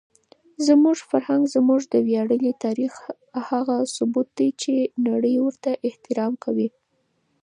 زموږ فرهنګ زموږ د ویاړلي تاریخ هغه ثبوت دی چې نړۍ ورته احترام کوي.